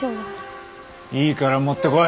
いいから持ってこい！